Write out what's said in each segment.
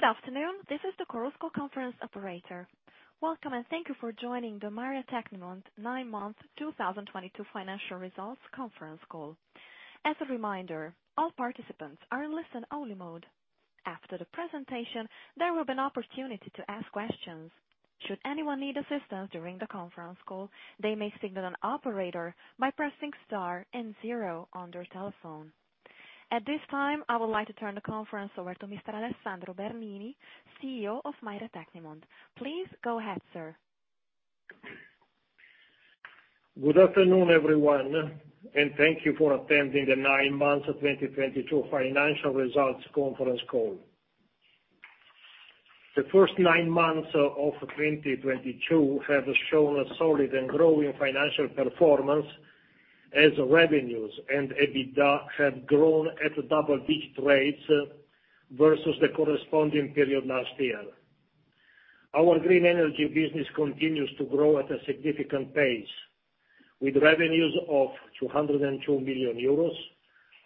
Good afternoon. This is the Chorus Call operator. Welcome, and thank you for joining the Maire Tecnimont Nine-Month 2022 Financial Results Conference Call. As a reminder, all participants are in listen only mode. After the presentation, there will be an opportunity to ask questions. Should anyone need assistance during the conference call, they may signal an operator by pressing star and zero on their telephone. At this time, I would like to turn the conference over to Mr. Alessandro Bernini, CEO of Maire Tecnimont. Please go ahead, sir. Good afternoon, everyone, and thank you for attending the nine months of 2022 financial results conference call. The first nine months of 2022 have shown a solid and growing financial performance as revenues and EBITDA have grown at double-digit rates versus the corresponding period last year. Our green energy business continues to grow at a significant pace, with revenues of 202 million euros,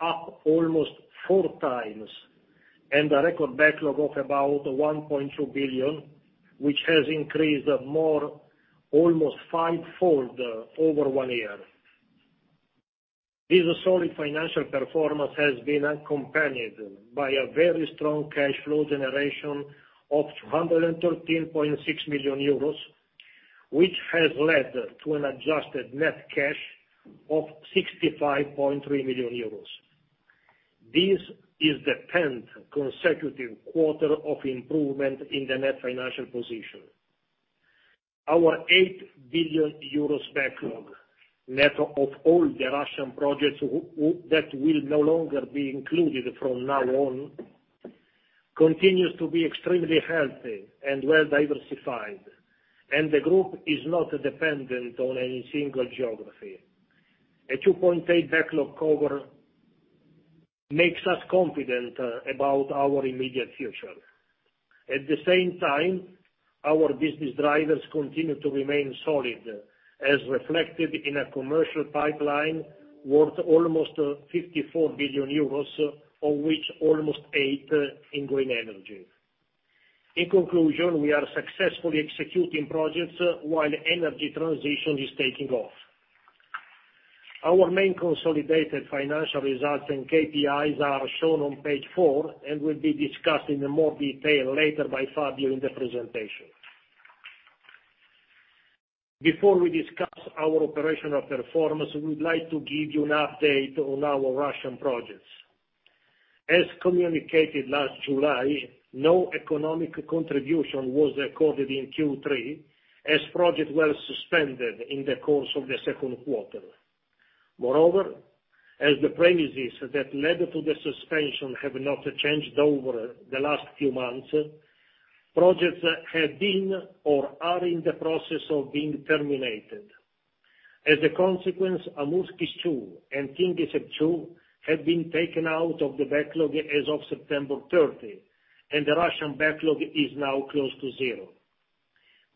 up almost 4x, and a record backlog of about 1.2 billion, which has increased more almost five-fold over one year. This solid financial performance has been accompanied by a very strong cash flow generation of 213.6 million euros, which has led to an adjusted net cash of 65.3 million euros. This is the tenth consecutive quarter of improvement in the net financial position. Our 8 billion euros backlog, net of all the Russian projects that will no longer be included from now on, continues to be extremely healthy and well diversified, and the group is not dependent on any single geography. A 2.8 backlog cover makes us confident about our immediate future. At the same time, our business drivers continue to remain solid, as reflected in a commercial pipeline worth almost 54 billion euros, of which almost 8 billion in green energy. In conclusion, we are successfully executing projects while energy transition is taking off. Our main consolidated financial results and KPIs are shown on page four and will be discussed in more detail later by Fabio in the presentation. Before we discuss our operational performance, we'd like to give you an update on our Russian projects. As communicated last July, no economic contribution was recorded in Q3 as project was suspended in the course of the second quarter. Moreover, as the premises that led to the suspension have not changed over the last few months, projects have been or are in the process of being terminated. As a consequence, Amursky II and Kingisepp II have been taken out of the backlog as of September 30, and the Russian backlog is now close to zero.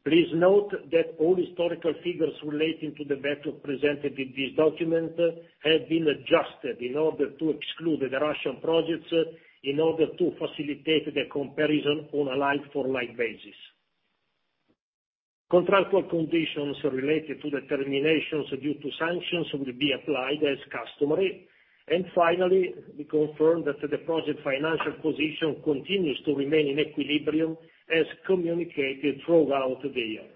Please note that all historical figures relating to the backlog presented in this document have been adjusted in order to exclude the Russian projects in order to facilitate the comparison on a like for like basis. Contractual conditions related to the terminations due to sanctions will be applied as customary. Finally, we confirm that the project financial position continues to remain in equilibrium as communicated throughout the year.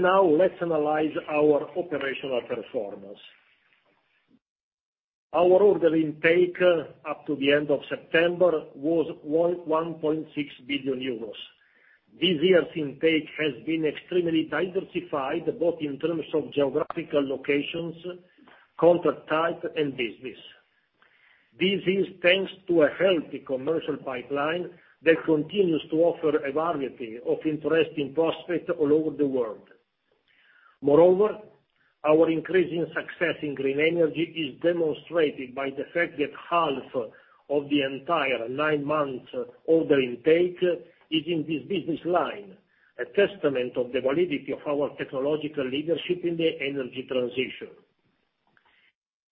Now let's analyze our operational performance. Our order intake up to the end of September was 1.6 billion euros. This year's intake has been extremely diversified, both in terms of geographical locations, contract type, and business. This is thanks to a healthy commercial pipeline that continues to offer a variety of interesting prospects all over the world. Moreover, our increasing success in green energy is demonstrated by the fact that half of the entire nine months order intake is in this business line, a testament of the validity of our technological leadership in the energy transition.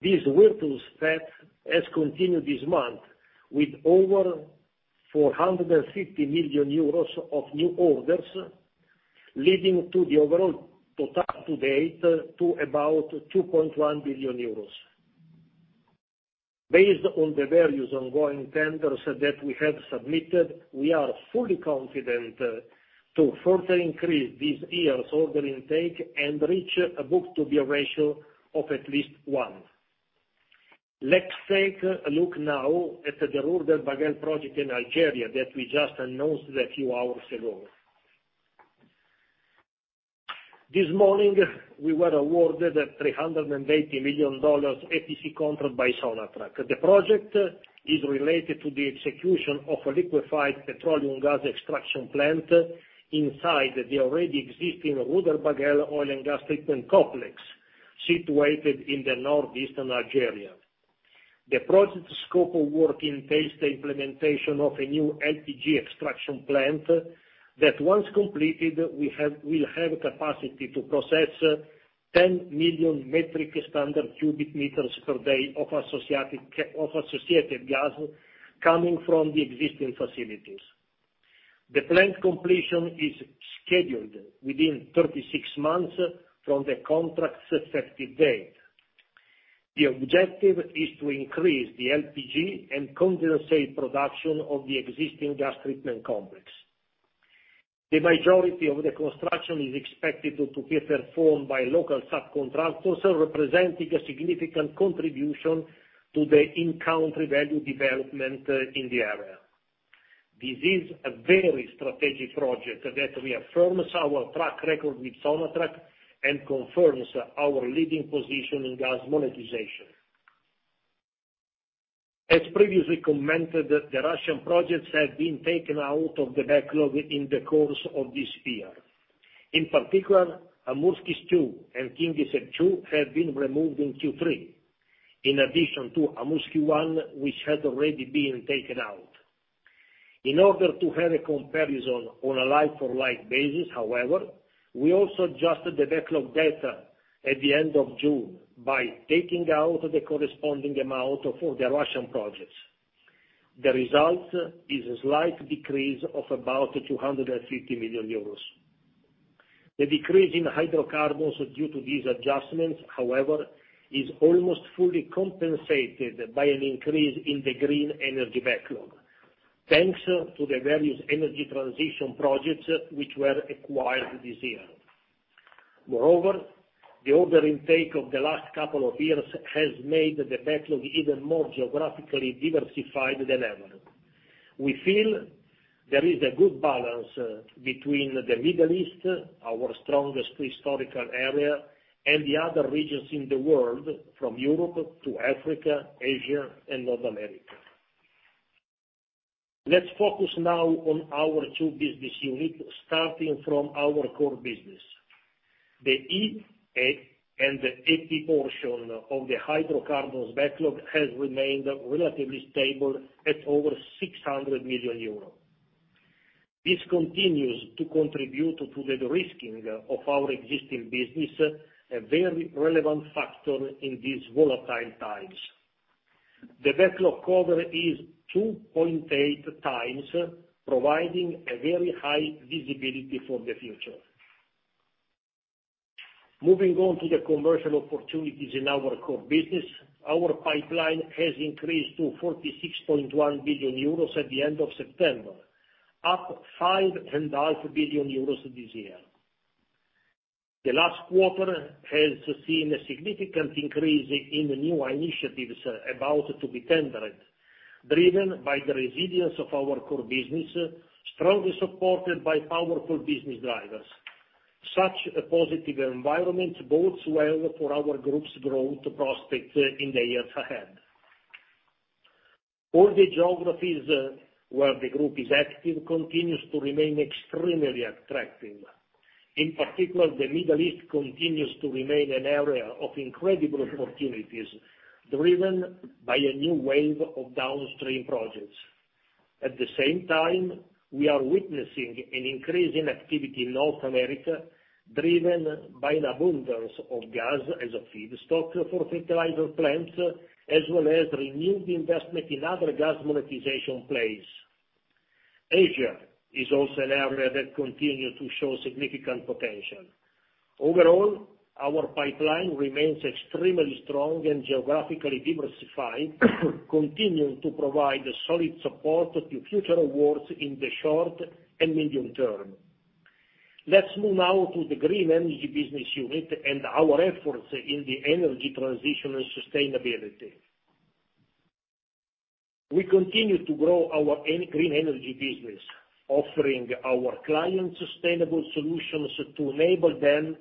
This virtuous path has continued this month with over 450 million euros of new orders, leading to the overall total to date to about 2.1 billion euros. Based on the various ongoing tenders that we have submitted, we are fully confident to further increase this year's order intake and reach a book-to-bill ratio of at least one. Let's take a look now at the Rhourde El Baguel project in Algeria that we just announced a few hours ago. This morning, we were awarded a $380 million EPC contract by Sonatrach. The project is related to the execution of a liquefied petroleum gas extraction plant inside the already existing Rhourde El Baguel oil and gas treatment complex situated in the northeastern Algeria. The project scope of work entails the implementation of a new LPG extraction plant that once completed, we'll have capacity to process 10 million metric standard cubic meters per day of associated gas coming from the existing facilities. The planned completion is scheduled within 36 months from the contract's effective date. The objective is to increase the LPG and condensate production of the existing gas treatment complex. The majority of the construction is expected to be performed by local subcontractors, representing a significant contribution to the in-country value development in the area. This is a very strategic project that reaffirms our track record with Sonatrach and confirms our leading position in gas monetization. As previously commented, the Russian projects have been taken out of the backlog in the course of this year. In particular, Amursky II and Kingisepp II have been removed in Q3, in addition to Amursky I, which had already been taken out. In order to have a comparison on a like-for-like basis, however, we also adjusted the backlog data at the end of June by taking out the corresponding amount for the Russian projects. The result is a slight decrease of about 250 million euros. The decrease in hydrocarbons due to these adjustments, however, is almost fully compensated by an increase in the green energy backlog, thanks to the various energy transition projects which were acquired this year. Moreover, the order intake of the last couple of years has made the backlog even more geographically diversified than ever. We feel there is a good balance between the Middle East, our strongest historical area, and the other regions in the world, from Europe to Africa, Asia, and North America. Let's focus now on our two business units, starting from our core business. The E&C and the E&P portion of the hydrocarbons backlog has remained relatively stable at over 600 million euros. This continues to contribute to the de-risking of our existing business, a very relevant factor in these volatile times. The backlog cover is 2.8x, providing a very high visibility for the future. Moving on to the commercial opportunities in our core business, our pipeline has increased to 46.1 billion euros at the end of September, up 5.5 billion euros this year. The last quarter has seen a significant increase in the new initiatives about to be tendered, driven by the resilience of our core business, strongly supported by powerful business drivers. Such a positive environment bodes well for our group's growth prospects in the years ahead. All the geographies where the group is active continues to remain extremely attractive. In particular, the Middle East continues to remain an area of incredible opportunities, driven by a new wave of downstream projects. At the same time, we are witnessing an increase in activity in North America, driven by an abundance of gas as a feedstock for fertilizer plants, as well as renewed investment in other gas monetization plays. Asia is also an area that continues to show significant potential. Overall, our pipeline remains extremely strong and geographically diversified, continuing to provide a solid support to future awards in the short and medium term. Let's move now to the green energy business unit and our efforts in the energy transition and sustainability. We continue to grow our green energy business, offering our clients sustainable solutions to enable them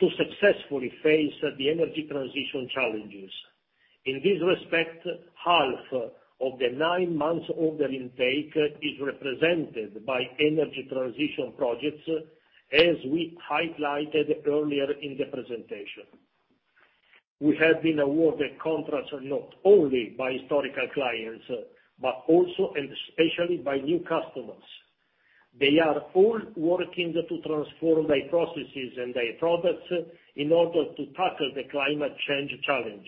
to successfully face the energy transition challenges. In this respect, half of the nine months order intake is represented by energy transition projects, as we highlighted earlier in the presentation. We have been awarded contracts not only by historical clients, but also and especially by new customers. They are all working to transform their processes and their products in order to tackle the climate change challenge.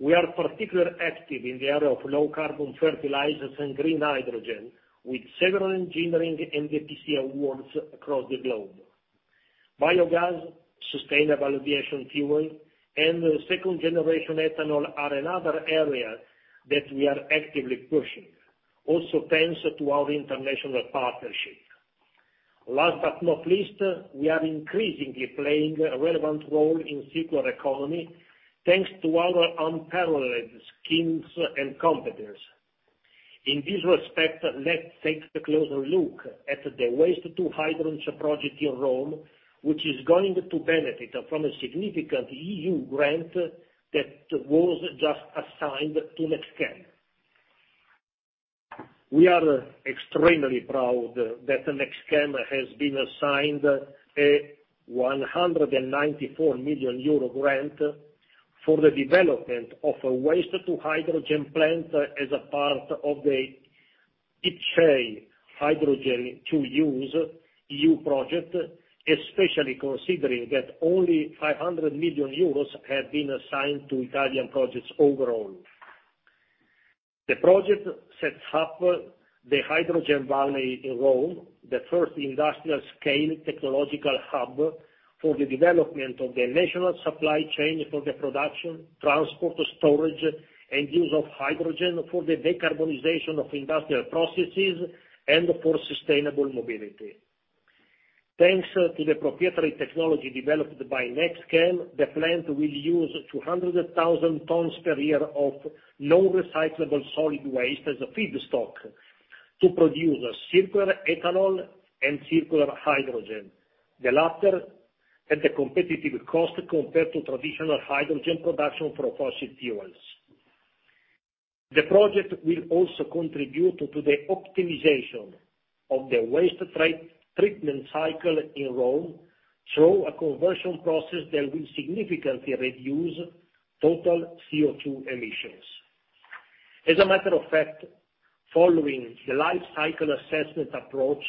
We are particularly active in the area of low carbon fertilizers and green hydrogen, with several engineering and EPC awards across the globe. Biogas, sustainable aviation fuel, and second generation ethanol are another area that we are actively pushing, also thanks to our international partnerships. Last but not least, we are increasingly playing a relevant role in circular economy, thanks to our unparalleled skills and competence. In this respect, let's take a closer look at the Waste-to-Hydrogen project in Rome, which is going to benefit from a significant EU grant that was just assigned to NextChem. We are extremely proud that NextChem has been assigned a 194 million euro grant for the development of a Waste-to-Hydrogen plant as a part of the IPCEI Hy2Use EU project, especially considering that only 500 million euros have been assigned to Italian projects overall. The project sets up the Hydrogen Valley in Rome, the first industrial scale technological hub for the development of the national supply chain for the production, transport, storage, and use of hydrogen for the decarbonization of industrial processes and for sustainable mobility. Thanks to the proprietary technology developed by NextChem, the plant will use 200,000 tons per year of non-recyclable solid waste as a feedstock to produce circular ethanol and circular hydrogen, the latter at a competitive cost compared to traditional hydrogen production from fossil fuels. The project will also contribute to the optimization of the waste treatment cycle in Rome through a conversion process that will significantly reduce total CO2 emissions. As a matter of fact, following the life cycle assessment approach,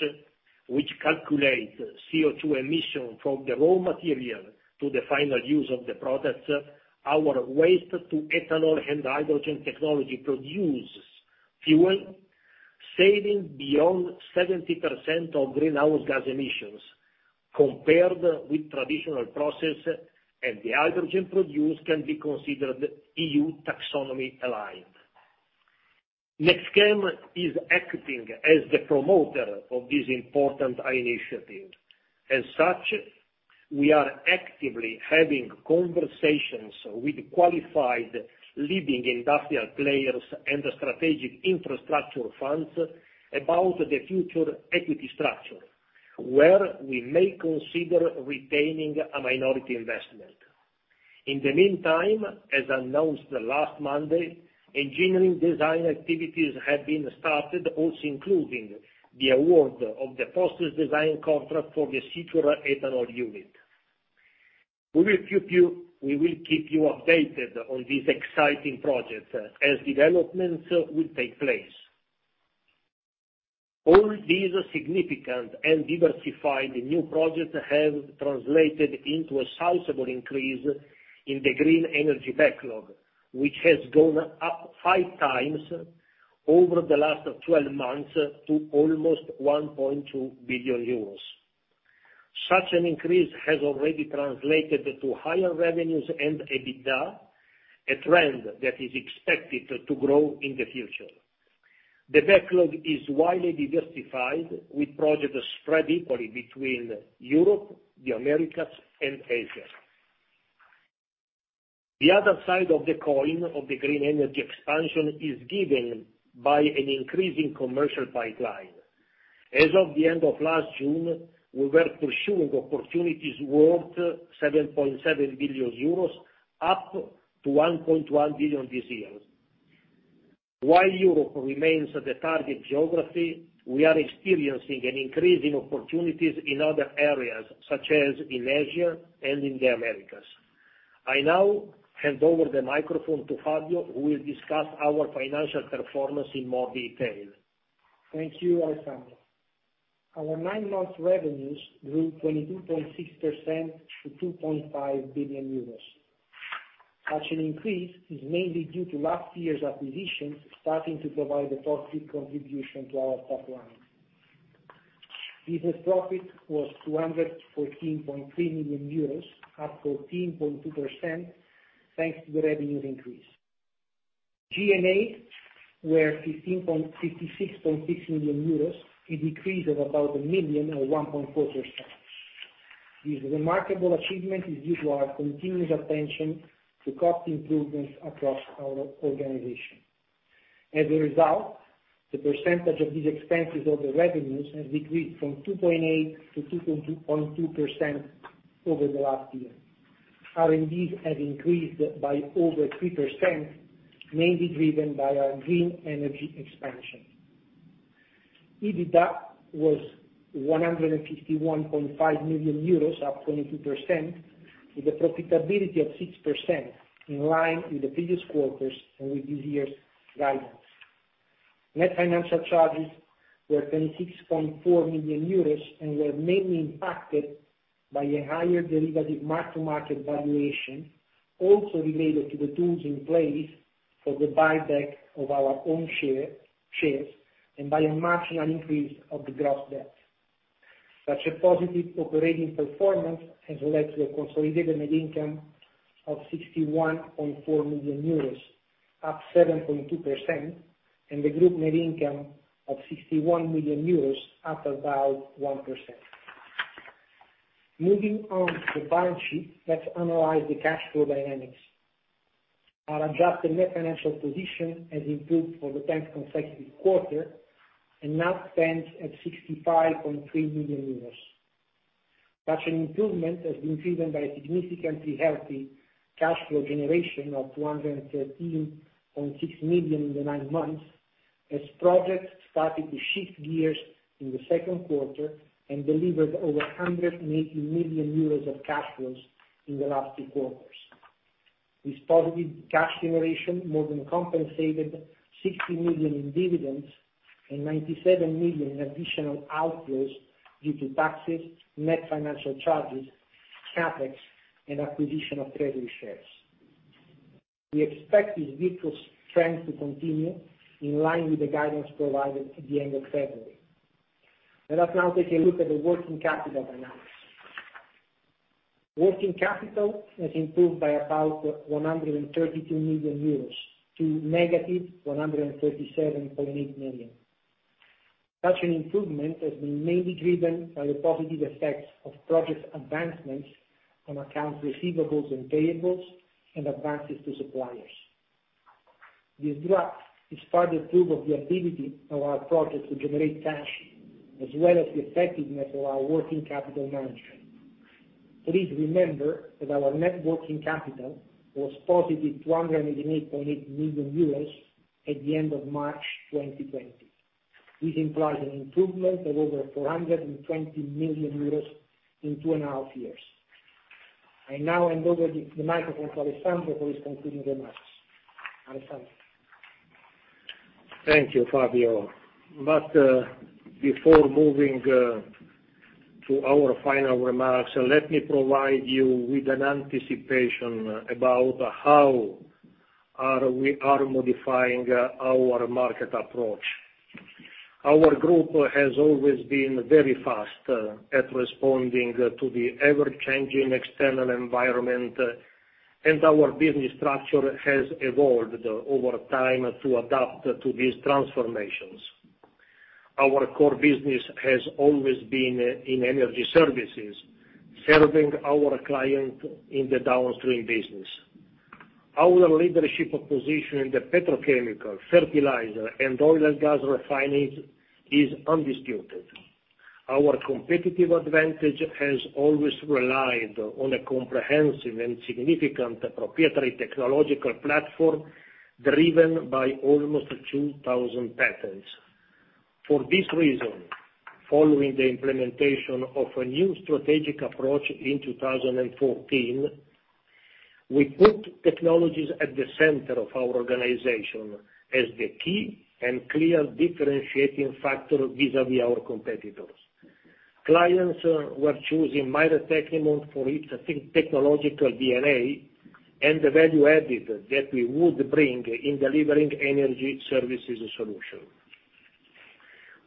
which calculate CO2 emission from the raw material to the final use of the products, our waste to ethanol and hydrogen technology produces fuel, saving beyond 70% of greenhouse gas emissions compared with traditional process, and the hydrogen produced can be considered EU taxonomy aligned. NextChem is acting as the promoter of this important initiative. As such, we are actively having conversations with qualified leading industrial players and the strategic infrastructure funds about the future equity structure, where we may consider retaining a minority investment. In the meantime, as announced last Monday, engineering design activities have been started, also including the award of the process design contract for the circular ethanol unit. We will keep you updated on this exciting project as developments will take place. All these significant and diversified new projects have translated into a sizable increase in the green energy backlog, which has gone up 5x over the last 12 months to almost 1.2 billion euros. Such an increase has already translated to higher revenues and EBITDA, a trend that is expected to grow in the future. The backlog is widely diversified, with projects spread equally between Europe, the Americas, and Asia. The other side of the coin of the green energy expansion is given by an increasing commercial pipeline. As of the end of last June, we were pursuing opportunities worth 7.7 billion euros, up from 1.1 billion this year. While Europe remains the target geography, we are experiencing an increase in opportunities in other areas, such as in Asia and in the Americas. I now hand over the microphone to Fabio, who will discuss our financial performance in more detail. Thank you, Alessandro. Our nine-month revenues grew 22.6% to 2.5 billion euros. Such an increase is mainly due to last year's acquisitions starting to provide a top-line contribution to our top line. EBITDA profit was 214.3 million euros, up 14.2% thanks to the revenues increase. G&A were 56.6 million euros, a decrease of about 1 million or 1.4%. This remarkable achievement is due to our continuous attention to cost improvements across our organization. As a result, the percentage of these expenses over the revenues has decreased from 2.8% to 2.2% over the last year. R&Ds have increased by over 3%, mainly driven by our green energy expansion. EBITDA was 151.5 million euros, up 22% with a profitability of 6%, in line with the previous quarters and with this year's guidance. Net financial charges were 26.4 million euros and were mainly impacted by a higher derivative mark-to-market valuation, also related to the tools in place for the buyback of our own shares, and by a marginal increase of the gross debt. Such a positive operating performance has led to a consolidated net income of 61.4 million euros, up 7.2%, and the group net income of 61 million euros, up about 1%. Moving on to the balance sheet, let's analyze the cash flow dynamics. Our adjusted net financial position has improved for the 10th consecutive quarter and now stands at 65.3 million euros. Such an improvement has been driven by a significantly healthy cash flow generation of 213.6 million in the nine months as projects started to shift gears in the second quarter and delivered over 180 million euros of cash flows in the last two quarters. This positive cash generation more than compensated 60 million in dividends and 97 million in additional outflows due to taxes, net financial charges, CapEx, and acquisition of treasury shares. We expect this vehicle's strength to continue in line with the guidance provided at the end of February. Let us now take a look at the working capital analysis. Working capital has improved by about 132 million euros to negative 137.8 million. Such an improvement has been mainly driven by the positive effects of project advancements on accounts receivables and payables and advances to suppliers. This drop is further proof of the ability of our projects to generate cash, as well as the effectiveness of our working capital management. Please remember that our net working capital was positive 208.8 million euros at the end of March 2020. This implies an improvement of over 420 million euros in two and a half years. I now hand over the microphone to Alessandro for his concluding remarks. Alessandro. Thank you, Fabio. Before moving to our final remarks, let me provide you with an anticipation about how we are modifying our market approach. Our group has always been very fast at responding to the ever-changing external environment, and our business structure has evolved over time to adapt to these transformations. Our core business has always been in energy services, serving our client in the downstream business. Our leadership position in the petrochemical, fertilizer, and oil and gas refining is undisputed. Our competitive advantage has always relied on a comprehensive and significant proprietary technological platform driven by almost 2,000 patents. For this reason, following the implementation of a new strategic approach in 2014, we put technologies at the center of our organization as the key and clear differentiating factor vis-à-vis our competitors. Clients were choosing Maire Tecnimont for its technological DNA and the value added that we would bring in delivering energy services solution.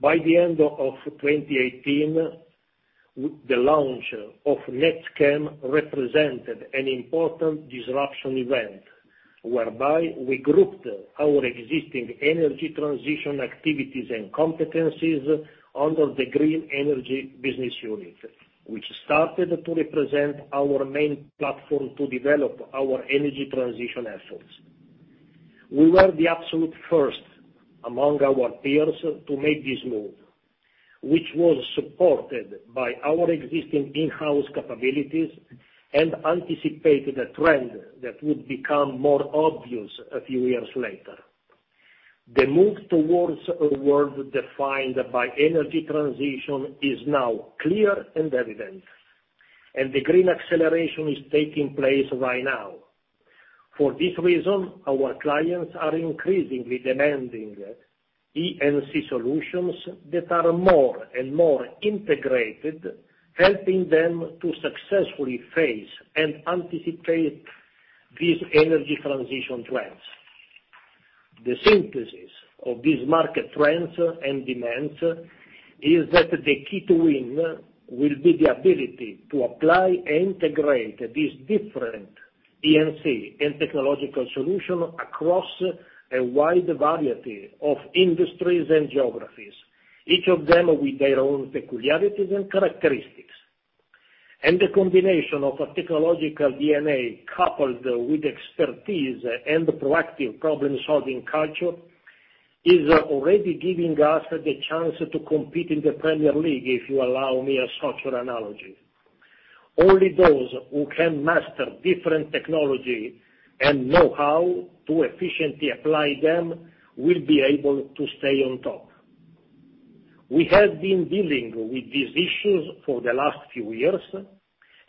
By the end of 2018, the launch of NextChem represented an important disruption event, whereby we grouped our existing energy transition activities and competencies under the green energy business unit, which started to represent our main platform to develop our energy transition efforts. We were the absolute first among our peers to make this move, which was supported by our existing in-house capabilities and anticipated a trend that would become more obvious a few years later. The move towards a world defined by energy transition is now clear and evident, and the green acceleration is taking place right now. For this reason, our clients are increasingly demanding EPC solutions that are more and more integrated, helping them to successfully face and anticipate these energy transition trends. The synthesis of these market trends and demands is that the key to win will be the ability to apply and integrate these different EPC and technological solution across a wide variety of industries and geographies, each of them with their own peculiarities and characteristics. The combination of a technological DNA coupled with expertise and proactive problem-solving culture is already giving us the chance to compete in the Premier League, if you allow me a soccer analogy. Only those who can master different technology and know how to efficiently apply them will be able to stay on top. We have been dealing with these issues for the last few years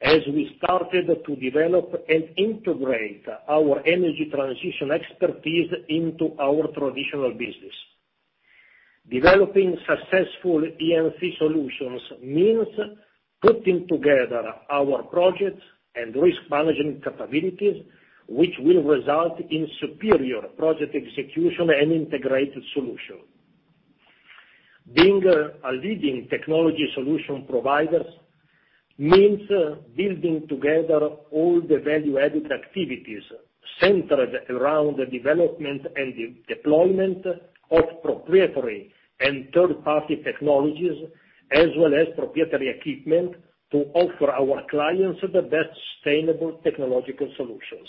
as we started to develop and integrate our energy transition expertise into our traditional business. Developing successful EPC solutions means putting together our projects and risk management capabilities, which will result in superior project execution and integrated solution. Being a leading technology solution providers means building together all the value-added activities centered around the development and deployment of proprietary and third-party technologies, as well as proprietary equipment, to offer our clients the best sustainable technological solutions.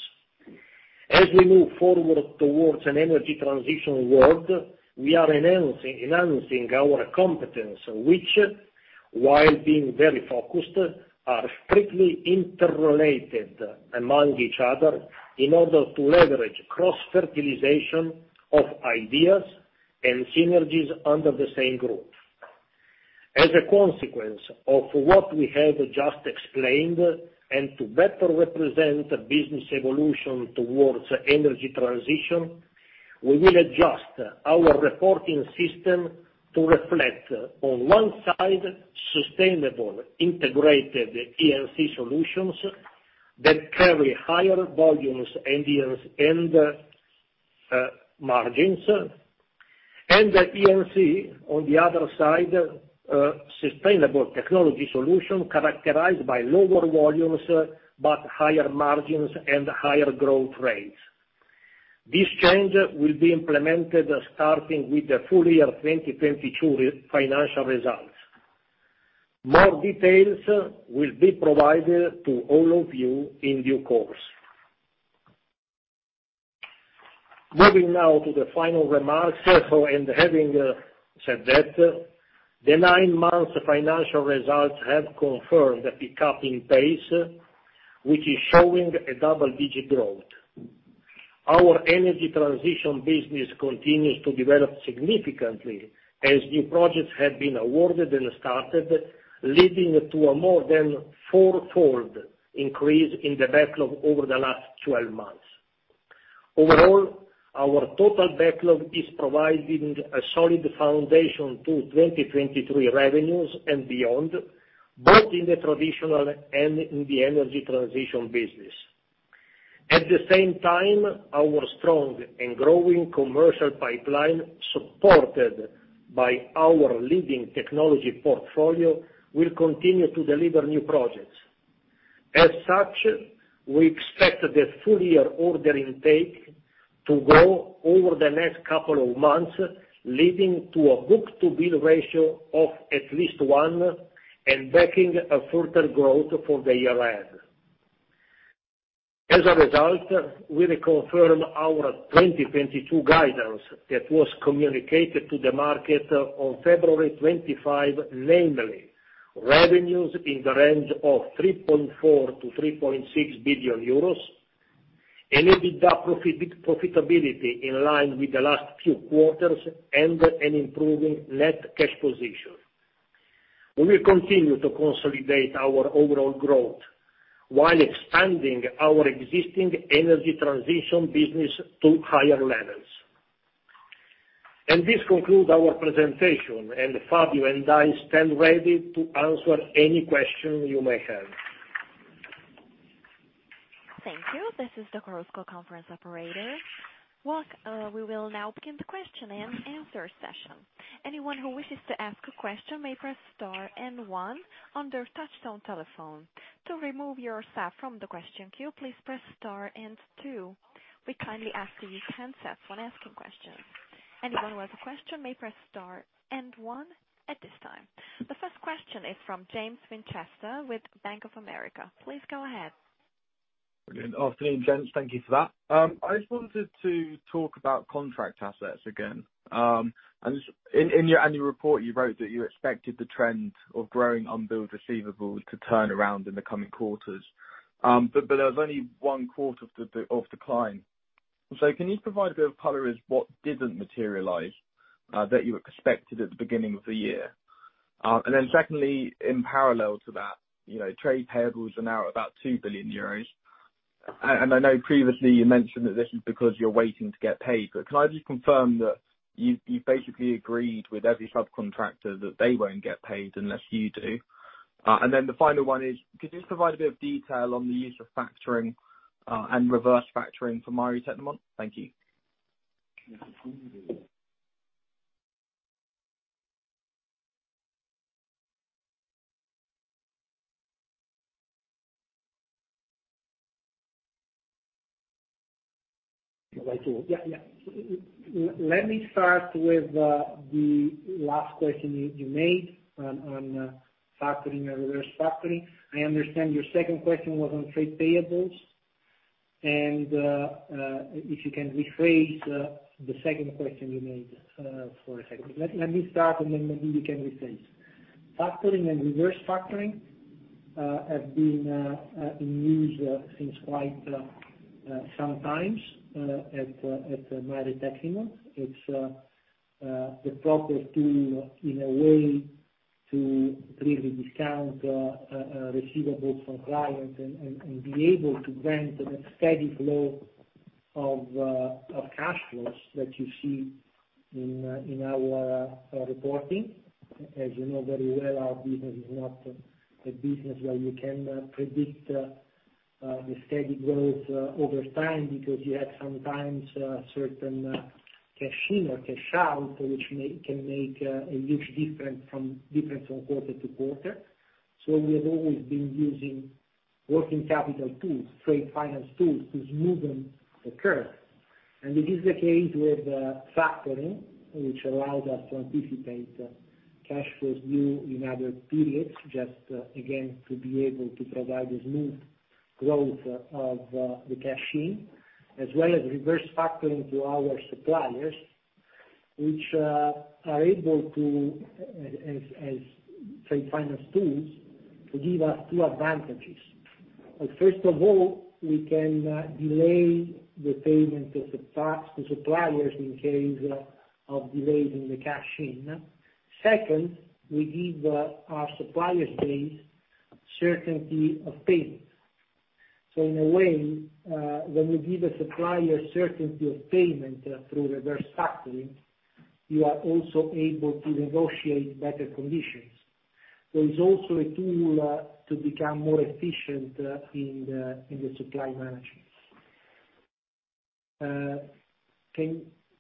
As we move forward towards an energy transition world, we are enhancing our competencies, which, while being very focused, are strictly interrelated among each other in order to leverage cross-fertilization of ideas and synergies under the same group. As a consequence of what we have just explained and to better represent the business evolution towards energy transition, we will adjust our reporting system to reflect on one side, sustainable integrated E&C solutions that carry higher volumes, EBITDA and margins, and E&C on the other side, sustainable technology solution characterized by lower volumes but higher margins and higher growth rates. This change will be implemented starting with the full year 2022 financial results. More details will be provided to all of you in due course. Moving now to the final remarks. Having said that, the nine months financial results have confirmed the pick-up in pace, which is showing a double-digit growth. Our energy transition business continues to develop significantly as new projects have been awarded and started, leading to a more than four-fold increase in the backlog over the last 12 months. Overall, our total backlog is providing a solid foundation to 2023 revenues and beyond, both in the traditional and in the energy transition business. At the same time, our strong and growing commercial pipeline, supported by our leading technology portfolio, will continue to deliver new projects. As such, we expect the full year ordering take to grow over the next couple of months, leading to a book-to-bill ratio of at least one and backing a further growth for the year end. As a result, we reconfirm our 2022 guidance that was communicated to the market on February 25, namely, revenues in the range of 3.4 billion-3.6 billion euros, EBITDA profitability in line with the last few quarters and an improving net cash position. We will continue to consolidate our overall growth while expanding our existing energy transition business to higher levels. This concludes our presentation, and Fabio and I stand ready to answer any question you may have. Thank you. This is the Chorus Call conference operator. Well, we will now begin the question and answer session. Anyone who wishes to ask a question may press star and one on their touchtone telephone. To remove yourself from the question queue, please press star and two. We kindly ask that you use handsets when asking questions. Anyone who has a question may press star and one at this time. The first question is from James Winchester with Bank of America. Please go ahead. Good afternoon, gents. Thank you for that. I just wanted to talk about contract assets again. In your annual report you wrote that you expected the trend of growing unbilled receivables to turn around in the coming quarters. There was only one quarter of decline. Can you provide a bit of color on what didn't materialize that you expected at the beginning of the year? Secondly, in parallel to that, you know, trade payables are now about 2 billion euros. I know previously you mentioned that this is because you're waiting to get paid. Can I just confirm that you've basically agreed with every subcontractor that they won't get paid unless you do? The final one is, could you just provide a bit of detail on the use of factoring and reverse factoring for Maire Tecnimont? Thank you. Yeah. Let me start with the last question you made on factoring and reverse factoring. I understand your second question was on trade payables. If you can rephrase the second question you made for a second. Let me start and then maybe you can rephrase. Factoring and reverse factoring have been in use since quite some times at Maire Tecnimont. It's the proper tool in a way to pre-discount receivables from clients and be able to grant a steady flow of cash flows that you see in our reporting. As you know very well, our business is not a business where you can predict the steady growth over time because you have sometimes certain cash in or cash out which can make a huge difference from quarter to quarter. We have always been using working capital tools, trade finance tools to smoothen the curve. It is the case with factoring, which allows us to anticipate cash flows due in other periods, just again, to be able to provide a smooth growth of the cash in, as well as reverse factoring to our suppliers, which are able to, as trade finance tools, to give us two advantages. First of all, we can delay the payment to suppliers in case of delaying the cash in. Second, we give our supplier base certainty of payment. In a way, when we give a supplier certainty of payment through reverse factoring, you are also able to negotiate better conditions. There is also a tool to become more efficient in the supply management.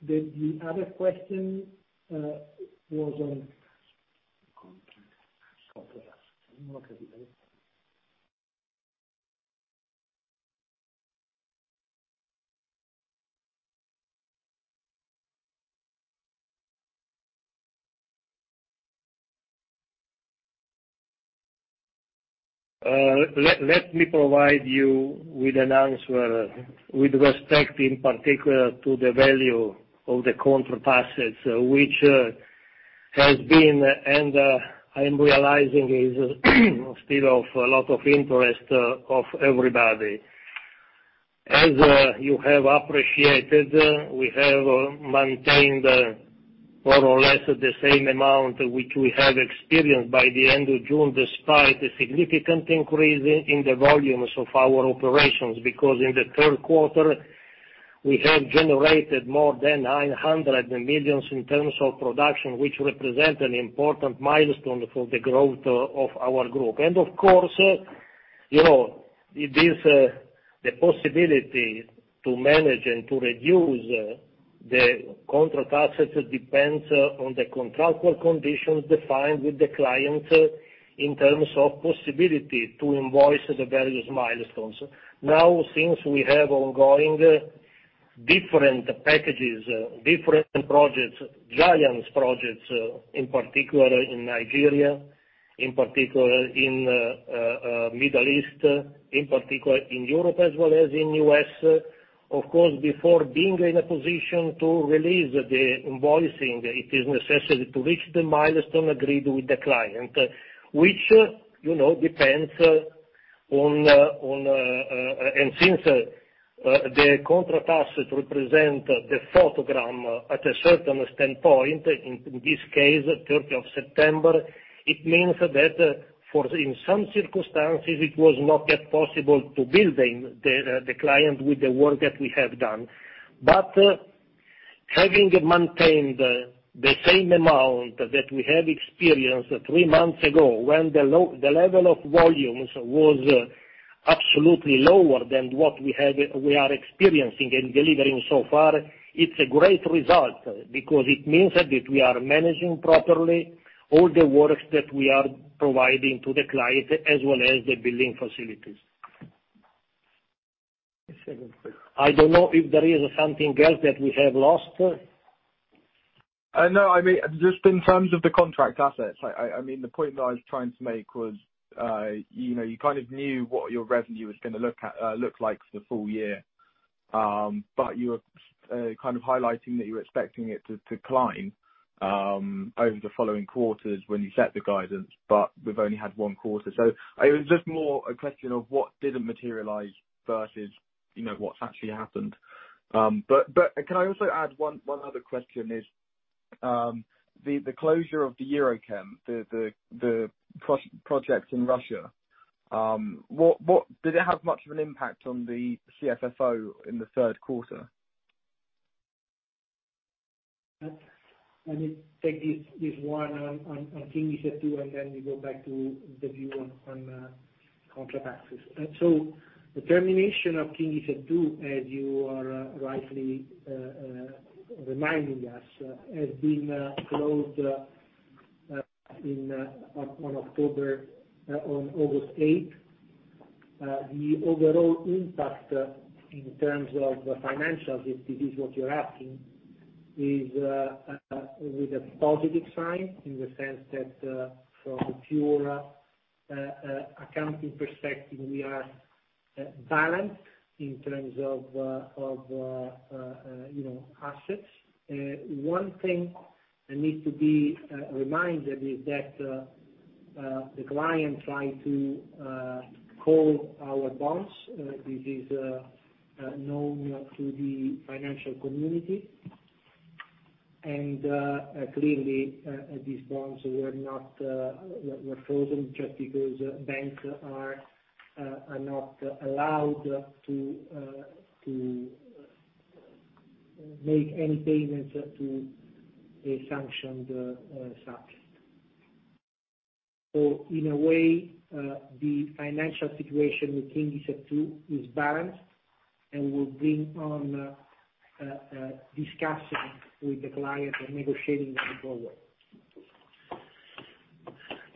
The other question was on. Let me provide you with an answer with respect, in particular, to the value of the contract assets, which has been and I'm realizing is still of a lot of interest of everybody. As you have appreciated, we have maintained more or less the same amount which we have experienced by the end of June, despite the significant increase in the volumes of our operations, because in the third quarter we have generated more than 900 million in terms of production, which represent an important milestone for the growth of our group. Of course, you know, it is the possibility to manage and to reduce the contract assets depends on the contractual conditions defined with the client in terms of possibility to invoice the various milestones. Now, since we have ongoing different packages, different projects, giant projects in particular in Nigeria, in particular in Middle East, in particular in Europe as well as in U.S. Of course, before being in a position to release the invoicing, it is necessary to reach the milestone agreed with the client, which, you know, depends on and since the contract assets represent the progress at a certain standpoint, in this case, thirteenth of September, it means that in some circumstances it was not yet possible to bill them, the client with the work that we have done. Having maintained the same amount that we have experienced three months ago when the level of volumes was absolutely lower than what we had, we are experiencing and delivering so far, it is a great result because it means that we are managing properly all the works that we are providing to the client as well as the billing facilities. A second, please. I don't know if there is something else that we have lost. No. I mean, just in terms of the contract assets, I mean, the point that I was trying to make was, you know, you kind of knew what your revenue was gonna look like for the full year. You were kind of highlighting that you were expecting it to climb over the following quarters when you set the guidance, but we've only had one quarter. It was just more a question of what didn't materialize versus, you know, what's actually happened. But can I also add one other question? The closure of the EuroChem project in Russia. Did it have much of an impact on the CFFO in the third quarter? Let me take this one on Kingisepp II, and then we go back to the view on contract assets. The termination of Kingisepp II, as you are rightly reminding us, has been closed on August eighth. The overall impact in terms of financials, if this is what you're asking, is with a positive sign, in the sense that, from the pure accounting perspective, we are balanced in terms of, you know, assets. One thing that needs to be reminded is that the client tried to call our bonds. This is known to the financial community. Clearly, these bonds were not frozen just because banks are not allowed to make any payments to a sanctioned subject. In a way, the financial situation with Kingisepp II is balanced and will bring on discussion with the client and negotiating going forward.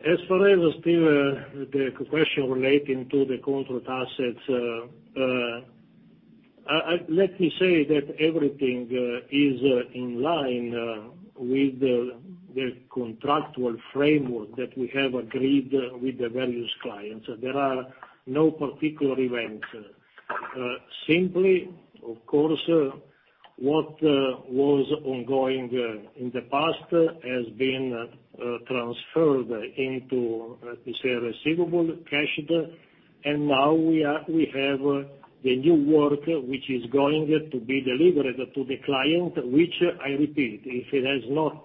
As for the question relating to the contract assets, let me say that everything is in line with the contractual framework that we have agreed with the various clients. There are no particular events. Simply, of course, what was ongoing in the past has been transferred into, let me say, receivable cash. Now we have the new work which is going to be delivered to the client, which I repeat, if it has not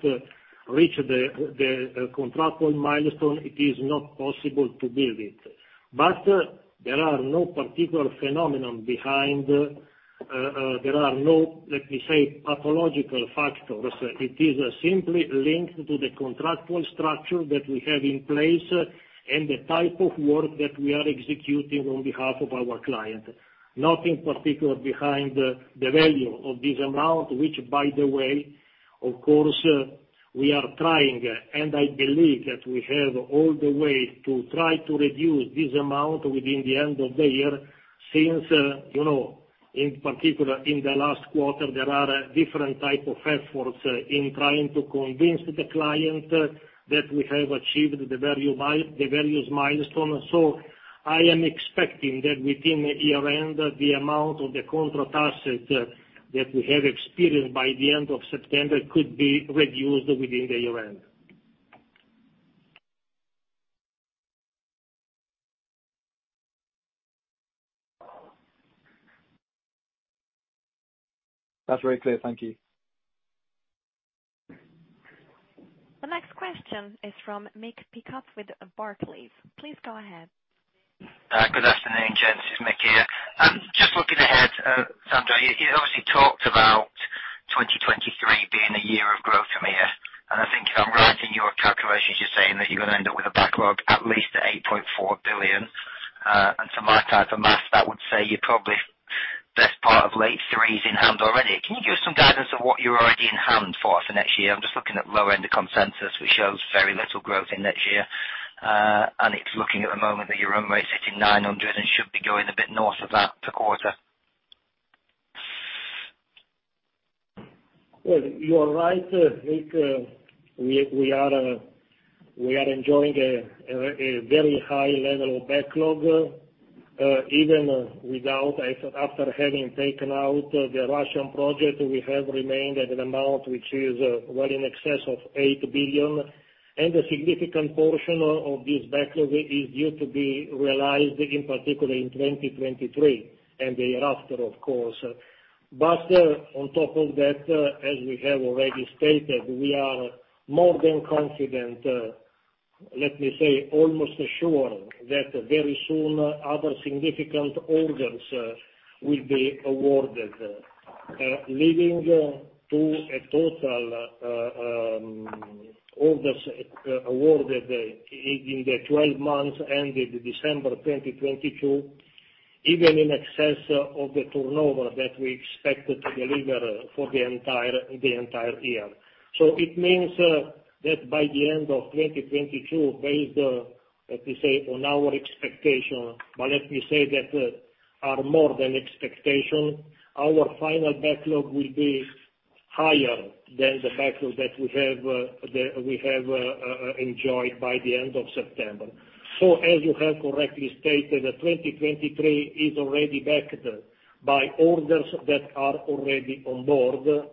reached the contractual milestone, it is not possible to build it. There are no particular phenomenon behind, there are no, let me say, pathological factors. It is simply linked to the contractual structure that we have in place and the type of work that we are executing on behalf of our client. Nothing particular behind the value of this amount, which by the way, of course, we are trying, and I believe that we have all the way to try to reduce this amount within the end of the year. Since, you know, in particular, in the last quarter, there are different type of efforts in trying to convince the client that we have achieved the value by the various milestones. I am expecting that within year-end, the amount of the contract assets that we have experienced by the end of September could be reduced within the year-end. That's very clear. Thank you. The next question is from Mick Pickup with Barclays. Please go ahead. Good afternoon, gents. It's Mick here. Just looking ahead, Sandro, you obviously talked about 2023 being a year of growth from here. I think if I'm right in your calculations, you're saying that you're gonna end up with a backlog at least at 8.4 billion. To my type of math, I would say you're probably best part of late threes in hand already. Can you give us some guidance on what you're already in hand for next year? I'm just looking at lower end of consensus, which shows very little growth in next year. It's looking at the moment that your run rate's hitting 900 and should be going a bit north of that per quarter. Well, you are right, Mick. We are enjoying a very high level of backlog, even after having taken out the Russian project, we have remained at an amount which is well in excess of 8 billion. A significant portion of this backlog is due to be realized, in particular, in 2023 and the year after, of course. On top of that, as we have already stated, we are more than confident, let me say almost assured, that very soon other significant orders will be awarded, leading to a total orders awarded in the 12 months ended December 2022, even in excess of the turnover that we expected to deliver for the entire year. It means that by the end of 2022, based, let me say, on our expectation, but let me say that are more than expectation, our final backlog will be higher than the backlog that we have, we have enjoyed by the end of September. As you have correctly stated, 2023 is already backed by orders that are already on board.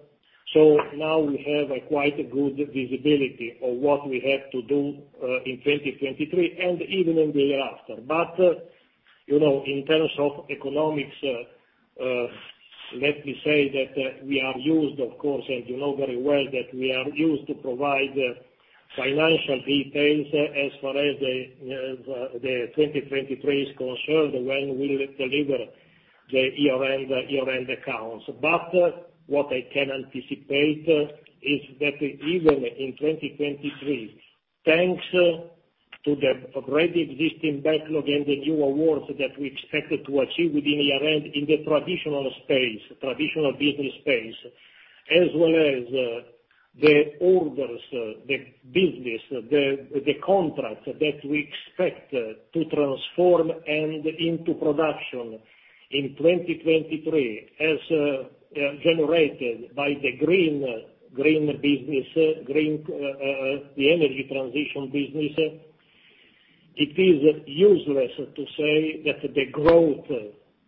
Now we have a quite good visibility of what we have to do in 2023 and even in the year after. You know, in terms of economics, let me say that we are used, of course, and you know very well, that we are used to provide financial details as far as the 2023 is concerned, when we deliver the year-end accounts. What I can anticipate is that even in 2023, thanks to the already existing backlog and the new awards that we expected to achieve within year-end in the traditional space, traditional business space, as well as the orders, the business, the contract that we expect to transform into production in 2023 as generated by the green business, the energy transition business, it is useless to say that the growth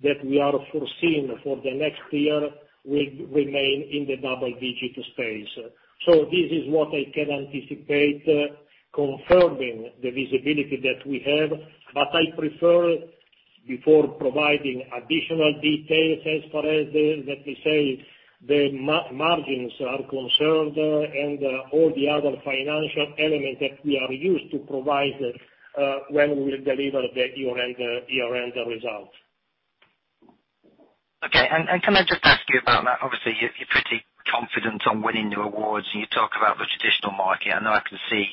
that we are foreseeing for the next year will remain in the double-digit space. This is what I can anticipate confirming the visibility that we have, but I prefer before providing additional details as far as the, let me say, the margins are concerned and all the other financial elements that we are used to provide, when we deliver the year-end results. Okay. Can I just ask you about that? Obviously, you're pretty confident on winning the awards, and you talk about the traditional market. I know I can see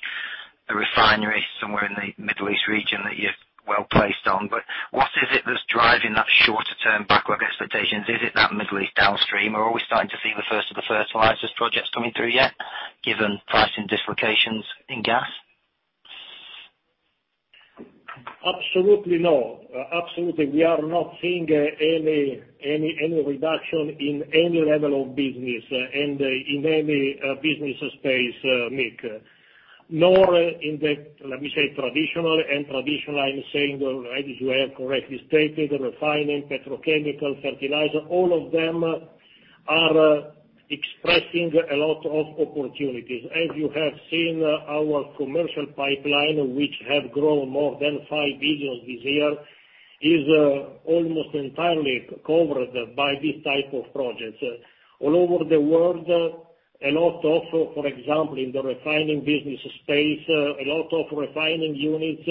a refinery somewhere in the Middle East region that you're well placed on. What is it that's driving that shorter term backlog expectations? Is it that Middle East downstream, or are we starting to see the first of the fertilizers projects coming through yet, given pricing dislocations in gas? Absolutely no. Absolutely, we are not seeing any reduction in any level of business and in any business space, Mick. Nor in the traditional, I'm saying, as you have correctly stated, refining, petrochemical, fertilizer, all of them are expressing a lot of opportunities. As you have seen our commercial pipeline, which have grown more than 5 billion this year, is almost entirely covered by this type of projects. All over the world. For example, in the refining business space, a lot of refining units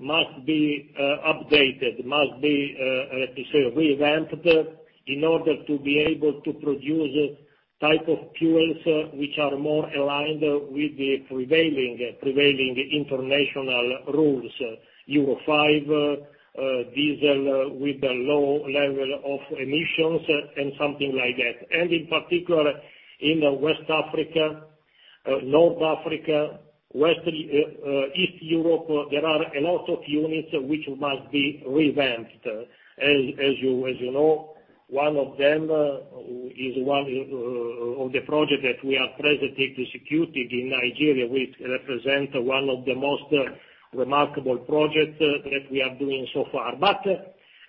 must be updated, how to say, revamped, in order to be able to produce type of fuels which are more aligned with the prevailing international rules. Euro 5 diesel with a low level of emissions and something like that. In particular, in the West Africa, North Africa, West, East Europe, there are a lot of units which must be revamped. As you know, one of them is one of the projects that we are presently executing in Nigeria, which represent one of the most remarkable project that we are doing so far.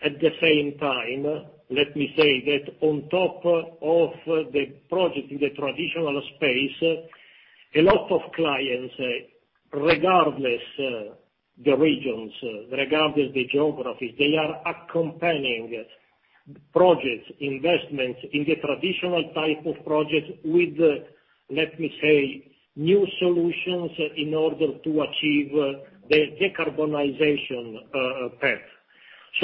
At the same time, let me say that on top of the project in the traditional space, a lot of clients, regardless the regions, regardless the geographies, they are accompanying projects, investments in the traditional type of projects with, let me say, new solutions in order to achieve the decarbonization path.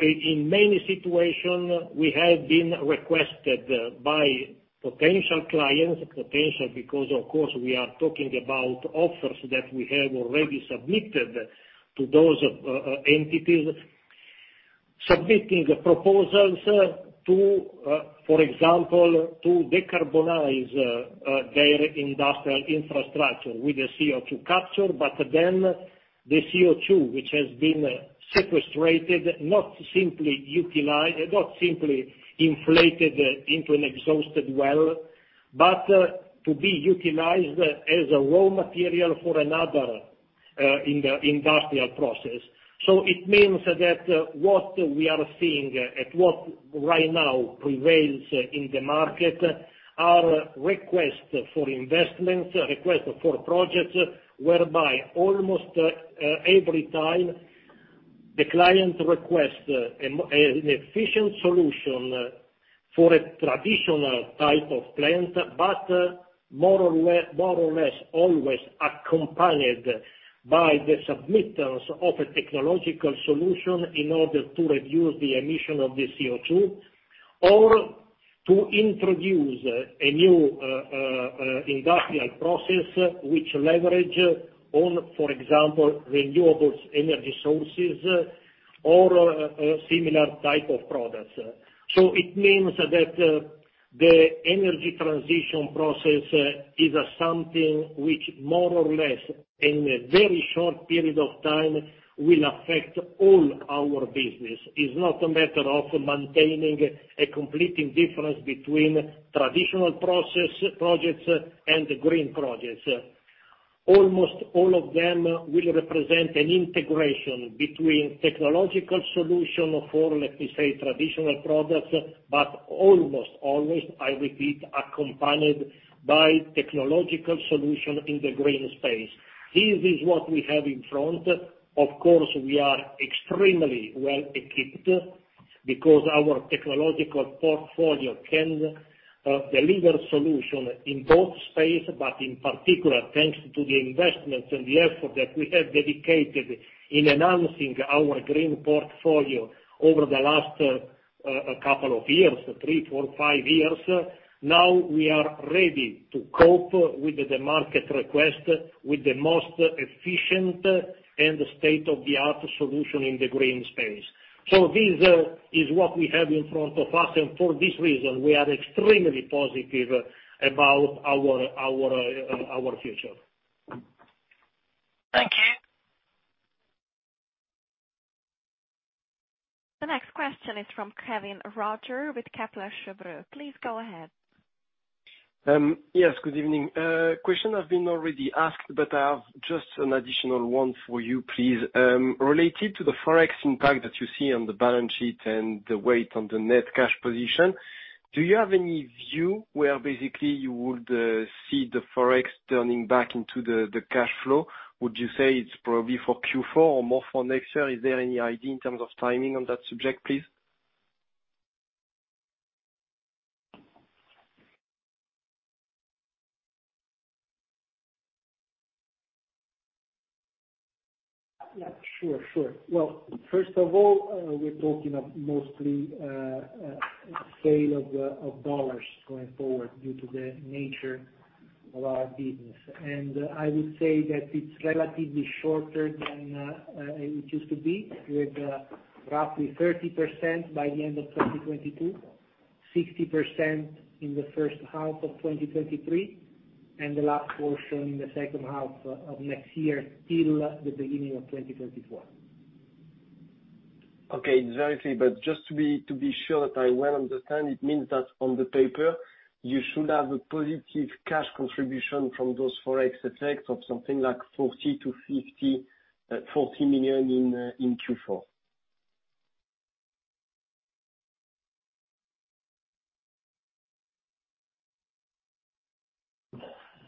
In many situations, we have been requested by potential clients, potential because of course we are talking about offers that we have already submitted to those entities. Submitting proposals to, for example, to decarbonize their industrial infrastructure with the CO₂ capture. The CO₂, which has been sequestered, not simply utilized, not simply injected into an exhausted well, but to be utilized as a raw material for another industrial process. It means that what we are seeing and what right now prevails in the market are requests for investments, requests for projects, whereby almost every time the client requests an efficient solution for a traditional type of plant, but more or less always accompanied by the submittals of a technological solution in order to reduce the emission of the CO₂. To introduce a new industrial process which leverage on, for example, renewable energy sources, or similar type of products. It means that, the energy transition process is something which more or less, in a very short period of time, will affect all our business. It's not a matter of maintaining a complete indifference between traditional process projects and the green projects. Almost all of them will represent an integration between technological solution for, let me say, traditional products, but almost always, I repeat, accompanied by technological solution in the green space. This is what we have in front. Of course, we are extremely well equipped because our technological portfolio can, deliver solution in both space, but in particular thanks to the investments and the effort that we have dedicated in enhancing our green portfolio over the last, couple of years, three, four, five years. Now we are ready to cope with the market request with the most efficient and state-of-the-art solution in the green space. This is what we have in front of us, and for this reason we are extremely positive about our future. Thank you. The next question is from Kevin Roger with Kepler Cheuvreux. Please go ahead. Yes, good evening. Questions have been already asked, I have just an additional one for you, please. Related to the Forex impact that you see on the balance sheet and the weight on the net cash position, do you have any view where basically you would see the Forex turning back into the cash flow? Would you say it's probably for Q4 or more for next year? Is there any idea in terms of timing on that subject, please? Yeah, sure. Well, first of all, we're talking of mostly sale of dollars going forward due to the nature of our business. I would say that it's relatively shorter than it used to be, with roughly 30% by the end of 2022, 60% in the first half of 2023, and the last portion in the second half of next year till the beginning of 2024. Okay, very clear. Just to be sure that I well understand, it means that on the paper you should have a positive cash contribution from those Forex effects of something like 40 million to 50 million in Q4.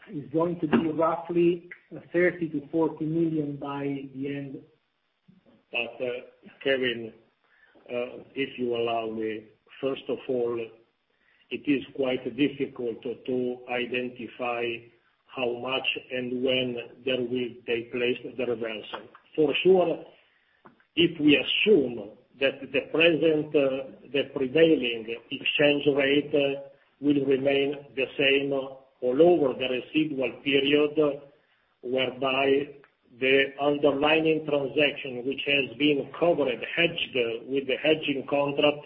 It's going to be roughly 30 million-40 million by the end. Kevin, if you allow me, first of all, it is quite difficult to identify how much and when there will take place the reversal. For sure, if we assume that the present, the prevailing exchange rate will remain the same all over the residual period, whereby the underlying transaction which has been covered, hedged with the hedging contract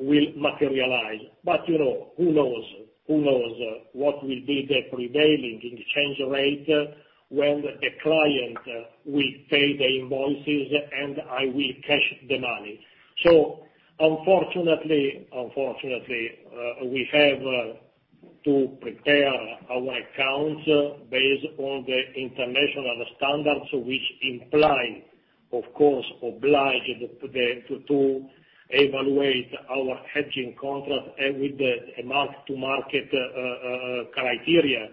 will materialize. You know, who knows what will be the prevailing exchange rate when the client will pay the invoices and I will cash the money. Unfortunately, we have to prepare our accounts based on the international standards which imply, of course, oblige to evaluate our hedging contract and with the mark-to-market criteria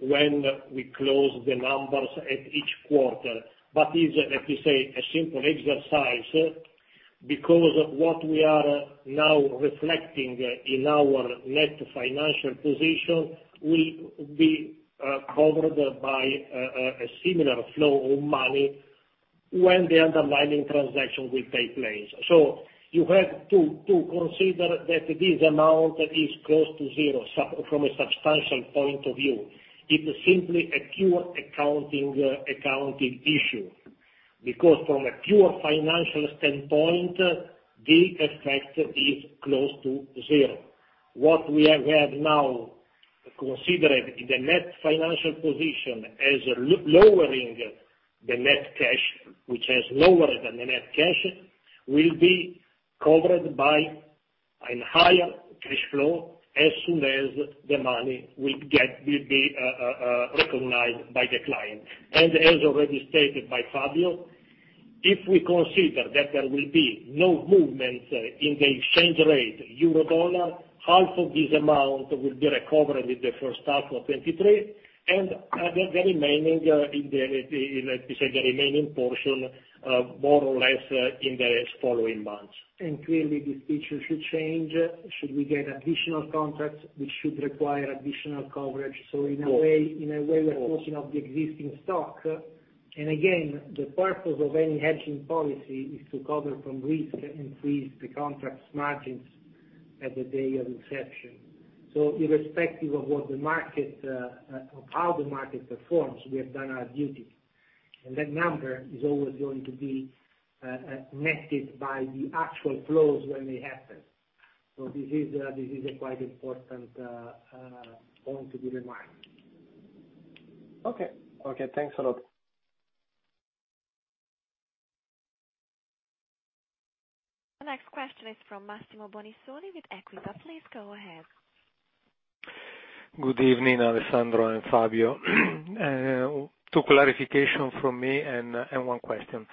when we close the numbers at each quarter. Is, like you say, a simple exercise because what we are now reflecting in our net financial position will be covered by a similar flow of money when the underlying transaction will take place. You have to consider that this amount is close to zero from a substantial point of view. It's simply a pure accounting issue, because from a pure financial standpoint, the effect is close to zero. What we have now considered the net financial position as lowering the net cash, which has lowered the net cash, will be covered by a higher cash flow as soon as the money will be recognized by the client. As already stated by Fabio, if we consider that there will be no movement in the exchange rate, euro/dollar, half of this amount will be recovered with the first half of 2023, and the remaining portion, more or less, in the following months. Clearly this picture should change should we get additional contracts which should require additional coverage. In a way we're closing off the existing stock. Again, the purpose of any hedging policy is to cover from risk and increase the contract's margins at the day of inception. Irrespective of what the market or how the market performs, we have done our duty, and that number is always going to be netted by the actual flows when they happen. This is a quite important point to bear in mind. Okay, thanks a lot. The next question is from Massimo Bonisoli with Equita. Please go ahead. Good evening, Alessandro and Fabio. Two clarifications from me and one question.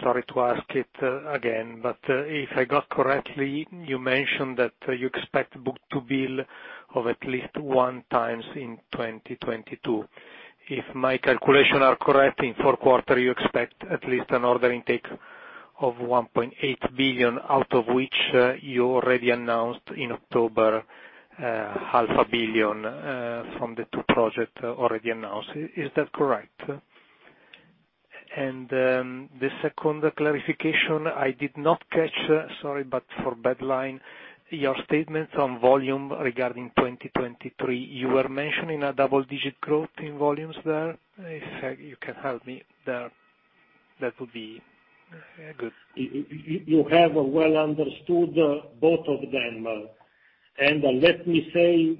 Sorry to ask it again, but if I got it correctly, you mentioned that you expect book-to-bill of at least 1x in 2022. If my calculations are correct, in fourth quarter you expect at least an order intake of 1.8 billion, out of which you already announced in October 0.5 billion from the two projects already announced. Is that correct? The second clarification, I did not catch, sorry, but regarding your statements on volumes regarding 2023. You were mentioning a double-digit growth in volumes there. If you can help me there, that would be good. You have well understood both of them. Let me say,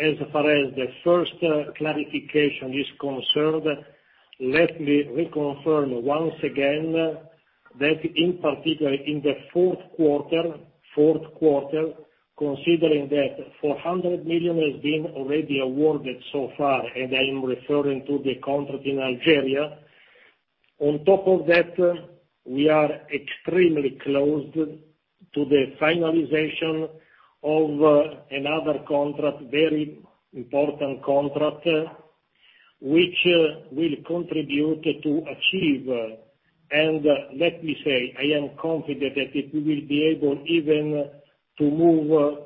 as far as the first clarification is concerned, let me reconfirm once again that in particular in the fourth quarter, considering that 400 million has been already awarded so far, and I'm referring to the contract in Algeria. On top of that, we are extremely close to the finalization of another contract, very important contract, which will contribute to achieve, and let me say, I am confident that if we will be able even to move